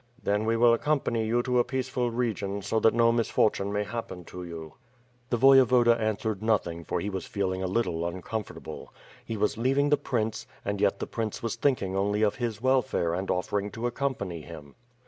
"Then we will accompany you to a peaceful region so that no misfortune may happen to you." • The Voyevoda answered nothing for he was feeling a little uncomfortable. He was leaving the prince, and yet the prince was thinking only of his welfare and offering to ac company him.